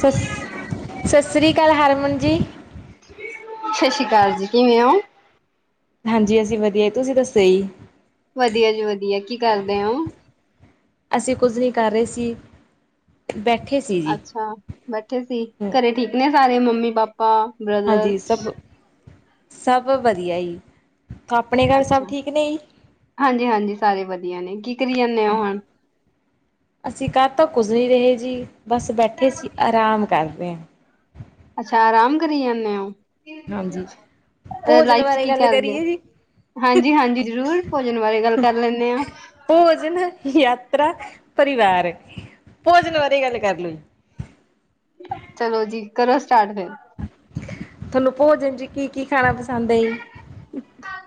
ਸਤਿ ਸ੍ਰੀ ਅਕਾਲ ਹਰਮਨ ਜੀ ਸਤਿ ਸ਼੍ਰੀ ਅਕਾਲ ਜੀ ਕਿਵੇਂ ਹੋ ਹਾਂਜੀ ਅਸੀਂ ਵਧੀਆ ਤੁਸੀਂ ਦੱਸੋ ਜੀ ਵਧੀਆ ਜੀ ਵਧੀਆ ਕੀ ਕਰਦੇ ਹੋ ਅਸੀਂ ਕੁੱਝ ਨਹੀਂ ਕਰ ਰਹੇ ਸੀ ਬੈਠੇ ਸੀ ਜੀ। ਅੱਛਾ ਬੈਠੇ ਸੀ ਹੂੰ ਘਰੇ ਠੀਕ ਨੇ ਸਾਰੇ ਮੰਮੀ ਪਾਪਾ ਬ੍ਰਦਰ ਹਾਂਜੀ ਸਭ ਸਭ ਵਧੀਆ ਜੀ ਆਪਣੇ ਘਰ ਸਭ ਅੱਛਾ ਠੀਕ ਨੇ ਜੀ ਆਂ ਨੇ ਕਿ ਕਰੀ ਜਾਣੇ ਓ ਹੁਣ ਅਸੀਂ ਕਰ ਤਾਂ ਕੁਝ ਨਹੀਂ ਰਹੇ ਜੀ ਬਸ ਬੈਠੇ ਸੀ ਆਰਾਮ ਕਰ [unintelligible] ਅੱਛਾ ਆਰਾਮ ਕਰੀ ਜਾਂਦੇ ਹੋ ਹਾਂਜੀ ਭੋਜਨ ਲਾਈਫ ਚ ਬਾਰੇ ਕੀ ਗੱਲ ਕਰਦੇ ਹੋ ਕਰੀਏ ਜੀ ਹਾਂਜੀ ਹਾਂਜੀ ਜ਼ਰੂਰ ਭੋਜਨ ਬਾਰੇ ਗੱਲ ਕਰ ਲੈਂਦੇ ਹਾਂ ਭੋਜਨ, ਯਾਤਰਾ, ਪਰਿਵਾਰ ਭੋਜਨ ਬਾਰੇ ਗੱਲ ਕਰਲੂ ਚਲੋ ਜੀ ਕਰੋ ਸਟਾਰਟ ਫਿਰ ਤੁਹਾਨੂੰ ਭੋਜਨ ਚ ਕੀ ਕੀ ਖਾਣਾ ਪਸੰਦ ਐ ਜੀ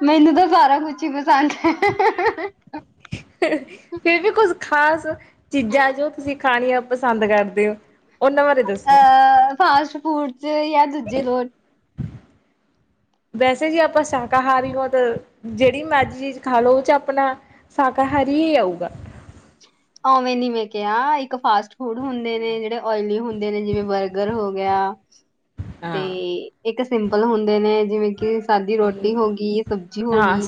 ਮੈਨੂੰ ਤਾਂ ਸਾਰਾ ਕੁਛ ਹੀ ਪਸੰਦ ਐ ਫੇਰ ਵੀ ਕੁੱਝ ਖ਼ਾਸ ਚੀਜ਼ਾਂ ਜੋ ਤੁਸੀਂ ਖਾਣੀਆਂ ਪਸੰਦ ਕਰਦੇ ਹੋ ਉਹਨਾਂ ਬਾਰੇ ਦੱਸੋ ਜਾ ਦੂਜੇ ਲੋਟ ਵੈਸੇ ਜੇ ਆਪਾਂ ਸ਼ਾਕਾਹਾਰੀ ਹਾ ਤਾਂ ਜਿਹੜੀ ਮਰਜ਼ੀ ਚੀਜ਼ ਖਾ ਲਓ ਉਹ ਚ ਆਪਣਾ ਸ਼ਾਕਾਹਾਰੀ ਹੀ ਆਊਗਾ ਔਵੇਂ ਨੀ ਮੈਂ ਕਿਹਾ ਇੱਕ ਫਾਸਟ ਫੂਡ ਹੁੰਦੇ ਨੇ ਜਿਹੜੇ ਓਇਲੀ ਹੁੰਦੇ ਨੇ ਜਿਵੇਂ ਬਰਗਰ ਹੋ ਗਿਆ ਤੇ ਹਾਂ ਇੱਕ ਸਿੰਪਲ ਹੁੰਦੇ ਨੇ ਜਿਵੇਂ ਕਿ ਸਾਦੀ ਰੋਟੀ ਹੋ ਗਈ ਸਬਜ਼ੀ ਹੋ ਗਈ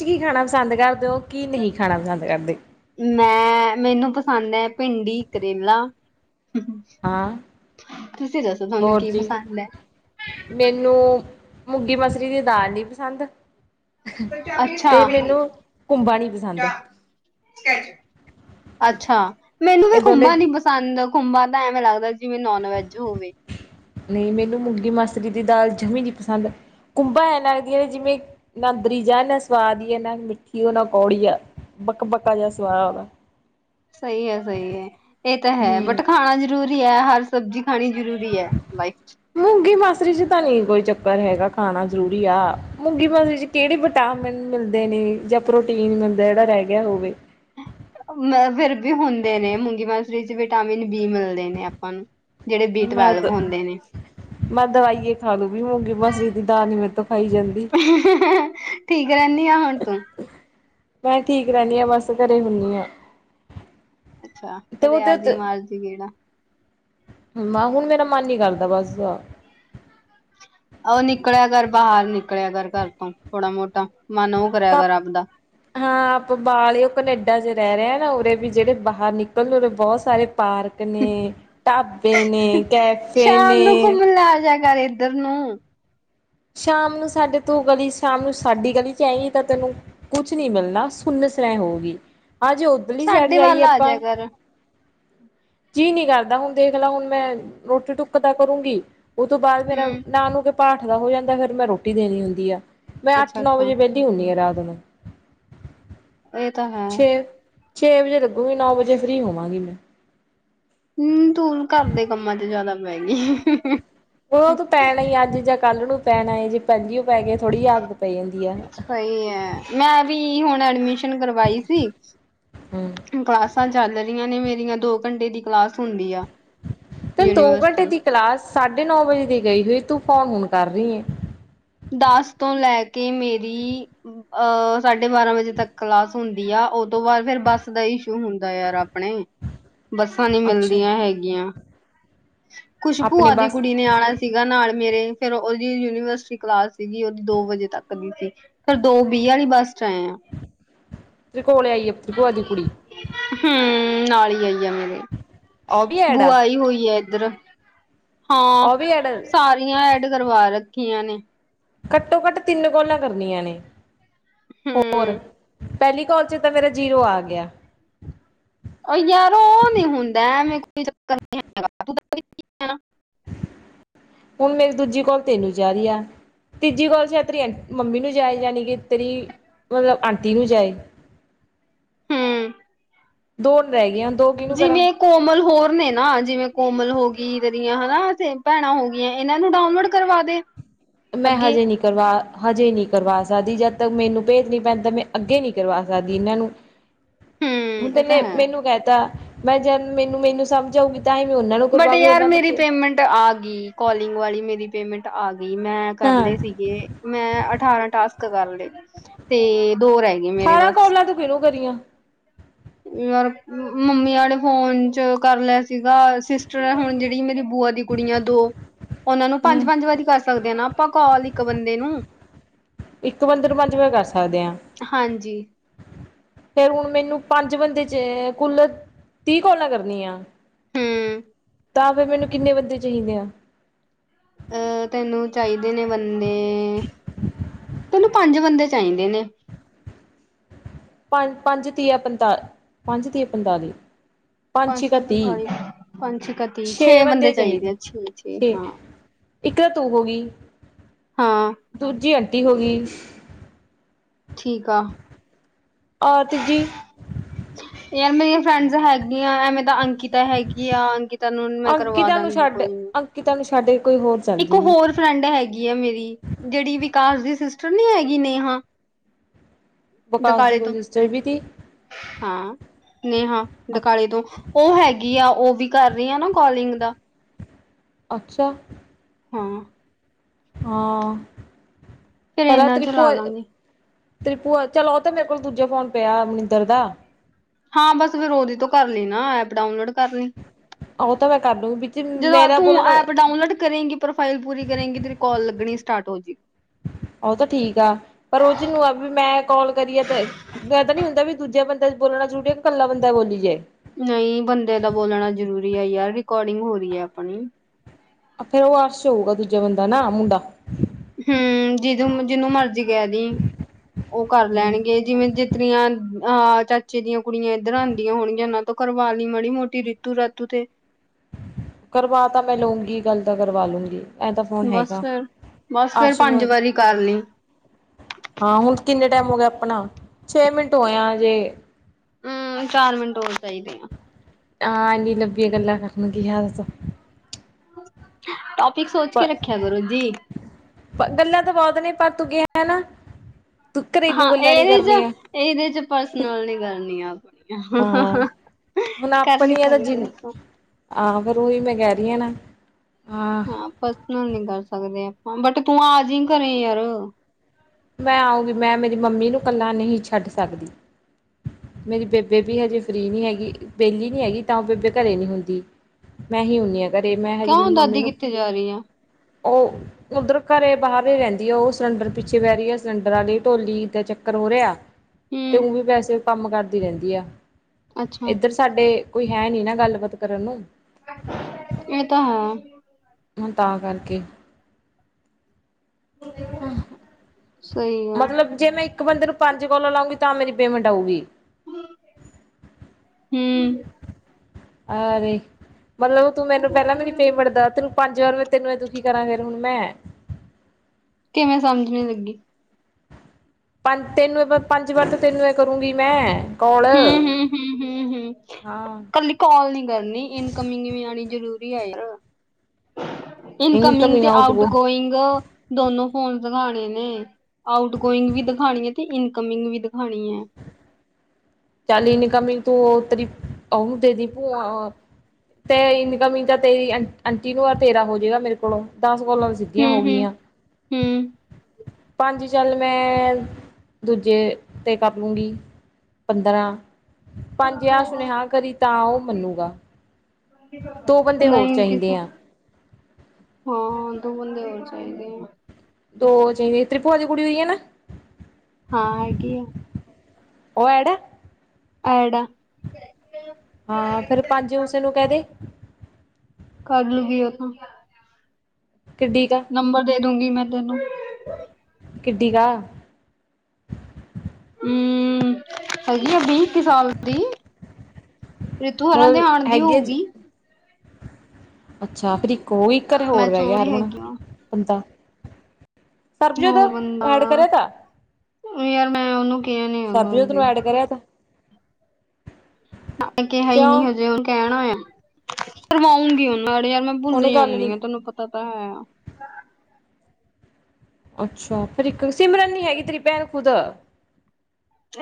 ਤੁਸੀ ਕੀ ਖਾਣਾ ਪਸੰਦ ਕਰਦੇ ਹੋ ਕੀ ਨਹੀਂ ਖਾਣਾ ਪਸੰਦ ਕਰਦੇ ਮੈਂ ਮੈਨੂੰ ਪਸੰਦ ਹੈ ਭਿੰਡੀ, ਕਰੇਲਾ ਹਾਂ ਤੁਸੀਂ ਦੱਸੋ ਤੁਹਾਨੂੰ ਹੋਰ ਕੀ ਜੀ ਪਸੰਦ ਹੈ ਮੁੂੰਗੀ ਮਸਰੀ ਦੀ ਦਾਲ ਨੀ ਪਸੰਦ ਤੇ ਅੱਛਾ, ਮੈਨੂੰ ਘੁੰਬਾ ਨੀ ਪਸੰਦ ਅੱਛਾ ਮੈਨੂੰ ਵੀ ਇਹ ਦੋਨੇ ਖੁੰਬਾ ਨੀ ਪਸੰਦ ਖੁੰਬਾ ਤਾਂ ਐਵੇਂ ਲੱਗਦਾ ਜਿਵੇਂ ਨੋਨ ਵੈਜ ਹੋਵੇ ਨਹੀਂ ਮੈਨੂੰ ਮੂੰਗੀ ਮਸਰੀ ਦੀ ਦਾਲ ਜਮੀ ਜਿ ਪਸੰਦ ਕੁੰਭਾਂ ਐਨਾ ਲਗਦੀਆਂ ਨੇ ਜਿਵੇਂ ਨਾ ਅੰਦਰੀ ਜਾਣ ਨਾ ਸਵਾਦ ਹੀ ਹੈ ਨਾ ਮਿੱਠੀ ਨਾ ਕੌੜੀ ਆ ਬ ਬੱਕਾ ਜਿਹਾ ਸਵਾਦਾ ਸਹੀ ਹੈ-ਸਹੀ ਹੈ ਇਹ ਤਾਂ ਹੈ ਬਟ ਹੂੰ। ਖਾਣਾ ਜ਼ਰੂਰੀ ਹੈ ਹਰ ਸਬਜ਼ੀ ਖਾਣੀ ਜ਼ਰੂਰੀ ਹੈ ਲਾਈਫ ਚ ਰੀ ਚ ਤਾਂ ਨਹੀਂ ਕੋਈ ਚੱਕਰ ਹੈਗਾ ਖਾਣਾ ਜ਼ਰੂਰੀ ਆ ਮਗੀ ਮਸਰੀ ਚ ਕਿਹੜੇ ਵਿਟਾਮਿਨ ਮਿਲਦੇ ਨੇ ਜਾਂ ਪ੍ਰੋਟੀਨ ਮਿਲਦਾ ਜਿਹੜਾ ਰਹਿ ਗਿਆ ਹੋਵੇ ਫਿਰ ਵੀ ਹੁੰਦੇ ਨੇ ਮੂੰਗੀ ਮਾਸਰੀ ਚ ਵਿਟਾਮਿਨ ਬੀ ਮਿਲਦੇ ਨੇ ਆਪਾਂ ਨੂੰ ਜਿਹੜੇ ਬੀ ਮੈਂ ਟਵੈਲਵ ਹੁੰਦੇ ਨੇ ਮੈਂ ਦਵਾਈਏ ਖਾ ਲੂ ਵੀ ਮੂੰਗੀ ਮਸਰੀ ਦੀ ਦਾਲ ਨੂੰ ਮੇਰੇ ਤੋਂ ਖਾਈ ਜਾਂਦੀ ਠੀਕ ਰਹਿੰਦੀ ਆ ਹੁਣ ਤੂੰ ਮੈਂ ਠੀਕ ਰਹਿੰਦੀ ਆ ਬਸ ਘਰੇ ਹੁਨੀ ਆ ਅੱਛਾ ਕਦੇ ਆਜੀ ਮਾਰ ਜੀ ਗੇੜਾ ਬਾ ਹੁਣ ਮੇਰਾ ਮਨ ਨੀ ਕਰਦਾ ਬਸ ਉਹ ਨਿਕਲਿਆ ਕਰ ਬਾਹਰ ਨਿਕਲਿਆ ਕਰ ਘਰ ਤੋਂ ਥੋੜਾ ਮੋਟਾ ਮਨ ਉਹ ਕਰਿਆ ਕਰ ਆਪਦਾ ਹਾਂ ਆਪ ਬਾਹਰ ਓ ਕਨੇਡਾ ਚ ਰਹਿ ਰਿਹਾ ਨਾ ਉਰੇ ਵੀ ਜਿਹੜੇ ਬਾਹਰ ਨਿਕਲਣ ਉਰੇ ਬਹੁਤ ਸਾਰੇ ਪਾਰਕ ਨੇ ਢਾਬੇ ਨੇ ਕੈਫੇ ਸ਼ਾਮ ਨੂੰ ਨੇ ਘੁੰਮਣ ਲਾ ਜਾ ਕਰ ਇੱਧਰ ਨੂੰ ਸ਼ਾਮ ਨੂੰ ਸਾਡੇ ਤੋਂ ਗਲੀ ਸ਼ਾਮ ਨੂੰ ਸਾਡੀ ਗਲੀ ਚ ਆਏਗੀ ਤਾਂ ਤੈਨੂੰ ਕੁਛ ਨਹੀਂ ਮਿਲਣਾ ਸੁੰਨ ਸਰਾਏ ਹੋਊਗੀ ਹਾਂ ਜੇ ਉੱਧਰਲੀ ਸਇਡ ਸਾਡੇ ਜਾਈਏ ਵੱਲ ਆ ਆਪਾਂ ਜਾ ਕਰ ਜੀ ਨਹੀਂ ਕਰਦਾ ਹੁਣ ਦੇਖ ਲਾ ਹੁਣ ਮੈਂ ਰੋਟੀ ਢੁੱਕ ਦਾ ਕਰੂੰਗੀ ਉਹ ਤੋਂ ਬਾਅਦ ਮੇਰਾ ਹਮ ਨਹਾ ਨੂੰ ਕੇ ਪਾਠ ਦਾ ਹੋ ਜਾਂਦਾ ਫਿਰ ਮੈਂ ਰੋਟੀ ਦੇਣੀ ਹੁੰਦੀ ਆ ਮੈਂ ਅੱਠ ਅੱਛਾ ਨੌ ਅੱਛਾ ਵਜੇ ਵਿਹਲੀ ਹੁੰਦੀ ਹਾਂ ਰਾਤ ਚਲ ਇਹ ਤਾਂ ਹੈ ਛੇ ਵਜੇ ਲੱਗੂਗੀ ਨੌ ਵਜੇ ਫਰੀ ਹੋਵਾਂਗੀ ਮੈਂ ਹੂੰ ਤੂੰ ਘਰ ਦੇ ਕੰਮਾਂ ਚ ਜ਼ਿਆਦਾ ਪੈ ਗਈ ਉਹ ਤਾਂ ਪੈਣਾ ਹੀ ਅੱਜ ਜ ਕੱਲ੍ਹ ਨੂੰ ਪੈਣਾ ਏ ਜੇ ਪਹਿਲੀਓ ਪੈ ਗਏ ਥੋੜ੍ਹੀ ਜੀ ਆਦ ਸਹੀ ਹੈ ਮੈਂ ਵੀ ਕੀ ਹੁਣ ਐਡਮਿਸ਼ਨ ਕਰਵਾਈ ਸੀ ਕਸ ਚੱਲ ਰਹੀਆਂ ਨੇ ਮੇਰੀਆਂ ਦੋ ਘੰਟੇ ਦੀ ਕਲਾਸ ਹੁੰਦੀ ਆ ਤੈਨੂੰ ਦੋ ਘੰਟੇ ਯੂਨੀਵਰਸਿਟੀ ਦੀ ਕਲਾਸ ਸਾਢੇ ਨੌ ਵਜੇ ਦੀ ਗਈ ਹੋਈ ਤੂੰ ਫੋਨ ਹੁਣ ਕਰ ਰਹੀ ਦਸ ਤੋਂ ਲੈ ਕੇ ਮੇਰੀ ਅਹ ਸਾਢੇ ਬਾਰਾਂ ਵਜੇ ਤੱਕ ਕਲਾਸ ਹੁੰਦੀ ਆ ਉ ਤੋਂ ਬਾਅ ਫਿਰ ਬੱਸ ਦਾ ਇਸ਼ੂ ਹੁੰਦਾ ਯਾਰ ਆਪਣੇ ਬੱਸਾਂ ਨੀ ਅੱਛਾ। ਮਿਲਦੀਆਂ ਹੈਗੀਆਂ ਕੁਛ ਆਪਣੇ ਭੂਆ ਦੀ ਬਸ ਕੁੜੀ ਤੇਰੇ ਨੇ ਆਣਾ ਸੀਗਾ ਨਾਲੇ ਮੇਰੇ ਫੇਰ ਉਹਦੀ ਯੂਨੀਵਰਸਿਟੀ ਕਲਾਸ ਸੀਗੀ ਉਹਦੀ ਦੋ ਵਜੇ ਤੱਕ ਦੀ ਸੀ ਫੇਰ ਦੋ ਵੀਹ ਵਾਲੀ ਬੱਸ ਚ ਆਏ ਆ ਤੇਰੇ ਕੋਲੇ ਆਈ ਆ ਤੇਰੀ ਭੂਆ ਦੀ ਕੁੜੀ ਹਮ ਨਾਲ ਹੀ ਆਈ ਮੇਰੇ ਉਹ ਵੀ ਐਡ ਆ ਬੂਆ ਆਈ ਹੋਈ ਹੈ [inaudible] ਹਾਂ ਉਹ ਵੀ ਐਡ ਸਾਰੀਆਂ ਐਡ ਕਰਵਾ ਰ ਖੀਆਂ ਨੇ ਘੱਟੋ ਘੱਟ ਤਿੰਨ ਕੋਲਾਂ ਕਰਨੀਆਂ ਨੇ ਹੋਰ ਹਮ ਪਹਿਲੀ ਕਾਲ 'ਚ ਤਾਂ ਮੇਰਾ ਜੀਰੋ ਆ ਗਿਆ ਉਹ ਯਾਰ ਉਹ ਨੀ ਹੁੰਦਾ ਐਵੇਂ ਕੋਈ ਚੱਕਰ ਨੀ ਹੈਗਾ [unintelligible] ਹੁਣ ਮੇਰੀ ਦੂਜੀ ਕੋਲ ਤੈਨੂੰ ਜਾ ਰਹੀ ਆ ਤੀਜੀ ਕੋਲ ਸ਼ਾਇਦ ਤੇਰੀ ਮੰਮੀ ਨੂੰ ਜਾਏ ਯਾਨੀ ਕਿ ਤੇਰੀ ਮਤਲਬ ਆਂਟੀ ਨੂੰ ਜਾਏ ਹੂੰ ਦੋ ਰਹਿ ਗਈਆਂ ਦੋ ਕਿਹਨੂੰ ਕਰਾਂ? ਜਿਵੇਂ ਕੋਮਲ ਹੋਰ ਨੇ ਨਾ ਜਿਵੇਂ ਕੋਮਲ ਹੋ ਗਈ ਹਨਾ ਤੇ ਭੈਣਾਂ ਹੋ ਗਈਆਂ ਇਹਨਾਂ ਨੂੰ ਡਾਊਨਲੋਡ ਕਰਵਾ ਦੇ ਮੈਂ ਅੱਗੇ ਹਜੇ ਨਹੀਂ ਕਰਵਾ ਹਜੇ ਨਹੀਂ ਕਰਵਾ ਸਕਦੀ ਜਦ ਤੱਕ ਮੈਨੂੰ ਭੇਤ ਨਹੀਂ ਪੈਦਾ ਮੈਂ ਅੱਗੇ ਨਹੀਂ ਕਰਵਾ ਸਕਦੀ ਇਹਨਾਂ ਨੂੰ ਹੂੰ ਹੁਣ ਇਹ ਤਾਂ ਤੈਨੇ ਹੈ ਮੈਨੂੰ ਕਹਿ ਤਾਂ ਮੈਂ ਜੇ ਮੈਨੂੰ ਮੈਨੂੰ ਸਮਝ ਆਊਗੀ ਤਾਂ ਹੀ ਮੈਂ ਉਹਨਾਂ ਨੂੰ ਬਟ ਕਰਵਾਉਗੀ ਯਾਰ ਉਹਨਾਂ ਤੋਂ ਮੇਰੀ ਪੇਮੈਂਟ ਆ ਗਈ ਕੋਲਿੰਗ ਵਾਲੀ ਮੇਰੀ ਪੇਮੈਂਟ ਆ ਗ ਗੀ ਮੈਂ ਹਾਂ ਕਰਲੇ ਸੀਗੇ ਮੈਂ ਅਠਾਰਾਂ ਟਾਸਕ ਕਰਲੇ ਤੇ ਦੋ ਰਹਿ ਗਏ ਮੇਰੇ ਅਠਾਰਾਂ ਬਸ ਕੋਲਾਂ ਤੂੰ ਕਿਹਨੂੰ ਕਰੀਆਂ ਯਾਰ ਮੰਮੀ ਅਲੇ ਫੋਨ ਚ ਕਰ ਲਿਆ ਸੀਗਾ ਸਿਸਟਰ ਹੁਣ ਜਿਹੜੀ ਮੇਰੀ ਬੂਆ ਦੀ ਕੁੜੀਆਂ ਦੋ ਉਹਨਾਂ ਨੂੰ ਪੰਜ ਹੂੰ ਪੰਜ ਵਾਰੀ ਕਰ ਸਕਦੇ ਆ ਨਾ ਆਪਾਂ ਕਾਲ ਇੱਕ ਬੰਦੇ ਨੂੰ ਇੱਕ ਬੰਦੇ ਨੂੰ ਪੰਜ ਵਾਰ ਕਰ ਸਕਦੇ ਹਾਂ ਹਾਂਜੀ ਫੇਰ ਹੁਣ ਮੈਨੂੰ ਪੰਜ ਬੰਦੇ ਚ ਕੁੱਲ ਤੀਹ ਕੋਲਾਂ ਕਰਨੀ ਆ ਹੂੰ ਤਾਂ ਫਿਰ ਮੈਨੂੰ ਕਿੰਨੇ ਬੰਦੇ ਚਾਹੀਦੇ ਆ ਅਹ ਤੈਨੂੰ ਚਾਹੀਦੇ ਨੇ ਬੰਦੇ ਤੈਨੂੰ ਪੰਜ ਬੰਦੇ ਚਾਹੀਦੇ ਨੇ ਪੰਜ ਪੰਜ ਤੀਆ ਪੰਤਾਲ ਪੰਜ ਤੀਆ ਪੰਤਾਲੀ ਪੰਜ ਛੀਕਾ ਤੀਹ ਪੰਤਾਲੀ ਪੰਜ ਛਿਕਾ ਤੀਹ ਛੇ ਬੰਦੇ ਚਾਹੀਦੇ ਆ ਛੇ ਛੇ ਹਾਂ ਇਕ ਤਾਂ ਤੂੰ ਹੋ ਗਈ ਹਾਂ ਦੂਜੀ ਅ ਟੀ ਹੋ ਗਈ ਠੀਕ ਆ ਔਰਤ ਜੀ ਯਾਰ ਮੇਰੀਆਂ ਫਰੈਂਡਸ ਹੈਗੀਆਂ ਐਵੇਂ ਤਾਂ ਅੰਕਿਤਾ ਹੈਗੀ ਆ ਅੰਕਿਤਾ ਨੂੰ ਮੈਂ ਕਰਵਾ ਦਾਂਗੀ ਕੋਈ ਨੀ ਸਾਡੇ ਇੱਕ ਹੋਰ ਫਰੈਂਡ ਹੈਗੀ ਆ ਮੇਰੀ ਜਿਹੜੀ ਵਿਕਾਸ ਦੀ ਨੀ ਹੈਗੀ ਨੇਹਾ ਵਿਕਾਸ ਦੀ ਡਕਾਲੇ ਕੋਈ ਤੋਂ ਸਿਸਟਰੀ ਵੀ ਤੀ ਹਾਂ ਨੇਹਾ ਡਕਾਲੇ ਤੋਂ ਉਹ ਹੈਗੀ ਆ ਉਹ ਵੀ ਕਰ ਰਹੀ ਹਾਂ ਨਾ ਕੋਲਿੰਗ ਦਾ ਅੱਛਾ ਹਾਂ ਹਾਂ ਫੇਰ ਪਰ ਆ ਇਹਨਾਂ ਤੇਰੀ ਚ ਲਾ ਭੂਆ ਲਾਂਗੇ ਤੇਰੀ ਭੂਆ ਚੱਲ ਉਹ ਤੇ ਮੇਰੇ ਕੋਲ ਦੂਜਾ ਫੋਨ ਪਿਆ ਮਨਿੰਦਰ ਦਾ ਹਾਂ ਬਸ ਫਿਰ ਉਹਦੇ ਤੋਂ ਕਰ ਲਈ ਨਾ ਐਪ ਡਾਊਨਲੋਡ ਕਰਨ ਉਹ ਤਾਂ ਮੈਂ ਕਰ ਲੂੰਗੀ ਵਿੱਚ ਜਦੋਂ ਮੇਰਾ ਤੂੰ ਬੋਲਣਾ ਐਪ ਡਾਊਨਲੋਡ ਕਰੇਗੀ ਪ੍ਰੋਫਾਈਲ ਪੂਰੀ ਕਰੇਗੀ ਤੇਰੀ ਕੋਲ ਲੱਗਣੀ ਸਟਾਰਟ ਹੋ ਜੀ ਉਹ ਤਾਂ ਠੀਕ ਆ ਪਰ ਉਹ ਚ ਨੂੰ ਆ ਵੀ ਮੈਂ ਕਾਲ ਕਰੀਏ ਤੇ ਮੈਂ ਤਾਂ ਨੀ ਹੁੰਦਾ ਵੀ ਦੂਜੇ ਬੰਦੇ ਬੋਲਣਾ ਜ਼ਰੂਰੀ ਹੈ ਇਕੱਲਾ ਬੰਦਾ ਬੋਲੀ ਜਾਏ ਨਹੀਂ ਬੰਦੇ ਦਾ ਬੋਲਣਾ ਜਰੂਰੀ ਹੈ ਯਾਰ ਰਿਕੋਡਿੰਗ ਹੋ ਰਹੀ ਹੈ ਆਪਣੀ ਫੇਰ ਉਹ ਰਸ਼ ਹੋਊਗਾ ਦੂਜਾ ਬੰਦਾ ਨਾ ਮੁੰਡਾ ਹੰ ਜਿਹਦੂੰ-ਜਿਹਨੂੰ ਮਰਜ਼ੀ ਕਹਿ ਦੀਂ ਉਹ ਕਰ ਹੂੰ ਲੈਣਗੇ ਜਿਵੇਂ ਜੇ ਤੇਰੀਆਂ ਆਹ ਚਾਚੇ ਦੀਆਂ ਕੁੜੀਆਂ ਇੱਧਰ ਆਉਂਦੀਆਂ ਹੋਣਗੀਆਂ ਓਹਨਾਂ ਤੋਂ ਕਰਵਾ ਲਈਂ ਮਾੜੀ-ਮੋਟੀ ਰੀਤੂ-ਰਾਤੂ ਤੇ। ਕਰਵਾ ਤਾਂ ਮੈਂ ਲਊਂਗੀ ਗੱਲ। ਪਤਾ ਕਰਵਾ ਲੂੰਗੀ। ਐਂ ਤਾਂ ਫੋਨ ਬਸ ਹੈਗਾ ਫਿਰ, ਬਸ ਫਿਰ ਅਰਸ਼ ਨੂੰ ਪੰਜ ਵਾਰੀ ਕਰ ਲਈਂ। ਟਾਇਮ ਹੋ ਗਿਆ ਆਪਣਾ, ਛੇ ਮਿੰਟ ਹੋਇਆ ਅਜੇ। ਹੂੰ ਚਾਰ ਮਿੰਟ ਹੋਰ ਚਾਹੀਦੇ ਆ। ਹਾਂਜੀ ਨਵੀਆਂ ਗੱਲਾਂ ਕਰਨਗੀਆਂ [inaudible] ਠੀਕ ਸੋਚ ਕੇ ਰੱਖਿਆ ਕਰੋ ਜੀ। ਗੱਲਾਂ ਤਾਂ ਬਹੁਤ ਨੇ ਪਰ ਤੂੰ ਹਾਂ ਘਰੇਲੂ ਗੱਲਾਂ ਨੀ ਇਹਦੇ ਚ, ਕਰਨੀਆਂ ਇਹਦੇ ਚ ਪਰਸਨਲ ਨੀਂ ਕਰਨੀਆਂ ਹਾਂ ਆਪਣੀਆਂ ਕਰ ਨੀ ਸਕਦੇ ਆਪਾਂ। ਹਾਂ ਫਿਰ ਉਹੀ ਮੈਂ ਕਹਰੀ ਹਾਂ ਨਾ। [inaudible] ਹਾਂ ਪਰਸਨਲ ਨੀ ਕਰ ਸਕਦੇ ਆਪਾਂ, ਬਟ ਤੂੰ ਅਜਾਈਂ ਘਰੇ ਯਾਰ। ਮੈਂ ਆਉਗੀ, ਮੈਂ ਮੇਰੀ ਮੰਮੀ ਨੂੰ ਇਕੱਲਾ ਨਹੀਂ ਛੱਡ ਸਕਦੀ। ਮੇਰੀ ਬੇਬੇ ਵੀ ਹਜੇ ਫਰੀ ਨਹੀਂ ਹੈਗੀ, ਵਿਹਲੀ ਨੀ ਹੈਗੀ ਤਾਂ ਉਹ ਬੇਬੇ ਘਰੇ ਨਹੀਂ ਹੁੰਦੀ, ਮੈਂ ਹੀ ਹੁਨੀ ਘਰੇ ਮੈਂ ਹਜੇ ਮੇਰੀ ਕਿਉਂ ਮਮੀ ਦਾਦੀ ਨੂੰ, ਕਿੱਥੇ ਜਾ ਰਹੀ ਆ ਉਹ ਉਧਰ ਘਰੇ ਬਾਹਰ ਹੀ ਰਹਿੰਦੀ ਆ, ਉਹ ਸਿਲੰਡਰ ਪਿੱਛੇ ਬਹਿ ਰਹੀ ਹੈ। ਸਿਲੰਡਰ ਵਾਲੇ ਢੋਲੀ ਤਗ ਚੱਕਰ ਹੋ ਰਿਹਾ। ਤੇ ਹੂੰ ਉੰ ਵੀ ਪੈਸੇ ਕੰਮ ਕਰਦੀ ਰਹਿੰਦੀ ਆ। ਅੱਛਾ ਇੱਧਰ ਸਾਡੇ ਕੋਈ ਹੈ ਨੀ ਨਾ ਗੱਲਬਾਤ ਕਰਨ ਨੂੰ। ਇਹ ਤਾਂ ਹੈ। ਹੁਣ ਤਾਂ ਕਰਕੇ। [inaudible] ਆ ਮਤਲਬ ਜੇ ਮੈਂ ਇੱਕ ਬੰਦੇ ਨੂੰ ਪੰਜ ਕੋਲਾਂ ਲਾਉਂਗੀ ਤਾਂ ਮੇਰੀ ਪੇਮੈਂਟ ਆਊਗੀ? ਹੂੰ [unintelligible] ਅਰੇ ਮਤਲਬ, ਤੂੰ ਮੈਨੂੰ ਪਹਿਲਾਂ ਮੇਰੀ ਪੇਮੈਂਟ ਦਸ। ਤੈਨੂੰ ਪੰਜ ਹਜ਼ਾਰ [unintelligible] ਤੈਨੂੰ ਮੈਂ ਹੁਣ ਕੀ ਕਰਾਂ ਕਿਵੇਂ? ਸਮਝ ਨਹੀਂ ਲੱਗੀ। ਤਿੰਨ ਤਿੰਨ ਤੇ ਪੰਜ ਵਾਰ ਪੰਜ ਵਾਰ ਤਾਂ ਤੈਨੂੰ ਵੀ ਮੈਂ ਕੋਲ ਹੂੰ, ਹੂੰ, ਹੂੰ, ਹੂੰ, ਹੂੰ ਹਾਂ ਕੱਲੀ ਕਾਲ ਨੀ ਕਰਨੀ, ਇਨਕਮਿੰਗ ਵੀ ਆਉਣੀ ਜ਼ਰੂਰੀ [unintelligible] ਇਨਕਮਿੰਗ ਤੇ ਆਊਟ ਗੋਇੰਗ ਦੋਨੋ। ਫੋਨ ਦਿਖਾਣੇ ਨੇ ਆਊਟ ਗੋਇੰਗ ਵੀ ਦਿਖਣੀ ਹੈ ਤੇ ਇਨਕਮਿੰਗ ਵੀ ਦਿਖਣੀੀ ਹੈ ਚੱਲ ਇਨਕਮਿੰਗ ਤੂੰ ਉਤਰੀ ਦੇ ਦੀ ਭ ਤੇ ਇਨਕਮਿੰਗ ਤਾਂ ਤੇਰੀ ਆਂਟੀ ਨੂੰ ਤੇਰਾ ਹੋ ਜਾੇਗਾ ਮੇਰੇ ਕੋਲੋਂ ਦਸ ਕੋਲ ਵੀ ਸਿੱਧੀਆਂ ਹੂੰ ਹੋ ਹੂੰ ਗਈਆਂ ਹੂੰ ਪੰਜ ਚੱਲ ਮੈਂ ਦੂਜੇ 'ਤੇ ਕਰ ਲੂੰਗੀ ਪੰਦਰਾਂ ਪੰਜ ਆ ਸੁਨੇਹਾ ਕਰੀ ਤਾਂ ਉਹ ਮੰਨੂਗਾ ਦੋ [unintelligible] ਬੰਦੇ ਹੋਰ ਨਹੀਂ ਨਹੀਂ ਚਾਹੀਦੇ ਹਾਂ ਆ ਉਹ ਤਾਂ ਹੈ [inaudible] ਤੇਰੀ ਭੂਆ ਦੀ ਕੁੜੀ ਆਈ ਹੋਈ ਹ ਨਾ ਹਾਂ ਹੈ ਆ ਉਹ ਐਡ ਐਡ ਆ ਹਾਂ ਫੇਿਰ ਪੰਜ ਉਸੇ ਨੂੰ ਕਹ ਦੇ ਕਰ [inaudible] ਕਿੱਡੀ ਕਾ ਨੰਬਰ ਦੇ ਦੂਗੀ ਮੈਂ ਤੈਨੂੰ ਕਿੱਡੀ ਕਾਇਆ ਹਮ ਹੈਗੀ ਆ ਬੀ ਇੱਕੀ ਸਾਲ ਦੀ ਰਿਤੂ ਹੋਰਾਂ ਦੇ ਮਤਲਬ ਆਉਣ ਦੀ ਹੈਗੀ ਆ ਹੋਊਗੀ ਅੱਛਾ ਫਿਰ ਇੱਕ ਉਹੀ ਘਰੇ ਮੈਂ ਹੋਰ ਰਹਿ ਗਿਆ ਚੋਰ ਯਾਰ ਹੀ ਹੁਣਾ ਹੈਗੀ ਆ ਬੰਦਾ [unintelligible] ਪ੍ਰਭਜੋਤ ਹੋਰ ਬੰਦਾ ਪਾਠ ਕਰੇਗਾ ਯਾਰ ਮੈਂ ਉਹਨੂੰ ਕਿਹਾ ਨੀ ਹੈਗਾ ਪ੍ਰਭਜੋਤ ਹਜੇ ਤੈਨੂੰ ਐਡ ਕਰਿਆ ਤਾਂ ਕਿਹਾ ਹੀ ਨੀ ਕਿਉਂ ਹਜੇ ਉਹਣ ਕਹਿਣ ਹੋਇਆ ਕਰਵਾਊਂਗੀ ਉਹ ਨਾਲੇ ਯਾਰ ਮੈਂ ਉਹਨੇ ਭੁੱਲੀ ਗੱਲ ਆਂਦੀ ਨੀ ਹਾਂ ਤਹਨੂੰ ਪਤਾ [inaudible] ਹਾਂ ਅੱਛਾ ਫਿਰ ਇੱਕ ਸਿਮਰਨ ਨੀ ਹੈਗੀ ਤੇਰੀ ਭੈਣ ਖੁਦ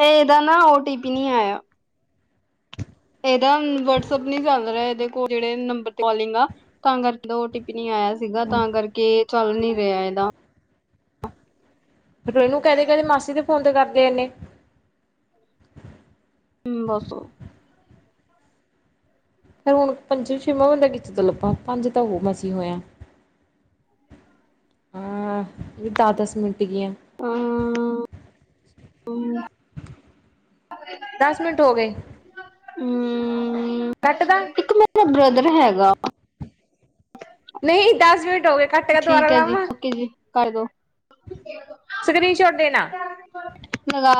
ਇਹਦਾ ਨਾ ਓਟੀ ਪੀ ਨੀ ਆਇਆ ਇਹਦਾ ਵਟਸਐਪ ਨੀ ਚੱਲ ਰਿਹਾ ਕੋਲ ਜਿਹੜੇ ਨੰਬਰ ਕਲਿੰਗ ਆ ਤਾਂ ਕਰਦਾ ਓ ਟੀ ਪੀ ਨਹੀਂ ਆਇਆ ਸੀਗਾ ਤਾਂ ਕਰਕੇ ਚੱਲ ਨੀ ਰਿਹਾ ਦਾਾਂ ਫਿਰ ਉਹਨੂੰ ਨੂੰ ਕਹਿੰਦੇ ਕਹਿੰਦੇ ਮਾਸੀ ਦੇ ਫੋਨ ਕਰਦੇ ਆ ਨੇੇ ਹਮ ਦਸੋ ਹੁਣ ਪੰਜਂ ਛੇਵਾਂ ਬੰਦਾ ਕਿਥੋ ਤੋਂ ਲੱਭਾ ਪੰਜ ਤਾਂ ਉਹ ਮਸੀ ਹੋਇਆ, ਹਾਂ ਦਸ ਦਸ ਮਿੰਟ ਹੂੰ ਦਸ ਮਿੰਟ ਹੋ ਗਏ ਹੂੰ ਹੂੰ ਕੱਟਦਾ ਇੱਕ ਮੇਰਾ ਬ੍ਰਦਰ ਹੈਗਾ ਨਹੀਂ ਦਸ ਮਿੰਟ ਹੋਗੇ ਘੱਟ ਕਾ ਦੁਬਾਰਾ ਲਾਵਾਂ ਕੱਟ ਦੋ ਸਕਰੀਨਸ਼ੋਟ ਦੇਣਾ ਲਗਾ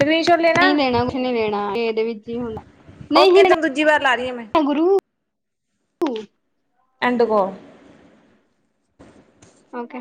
ਸਕਰੀਨ ਸ਼ੋਟ ਨਹੀਂ ਲੈਣਾ ਕੁਛ ਨਹੀਂ ਲੈਣਾ ਇਹਦੇ ਵਿੱਚ ਹੀ ਹੁੰਦਾ ਨਹੀਂ ਓਕੇ ਤੈਨੂੰ ਦੂਜੀ ਵਾਰ ਲਾ ਰਹੀ ਹਾਂ ਮੈਂ ਲੈਣਾ ਗੁਰੂ ਹੋ ਐਡ [unintelligible] ਓਕੇ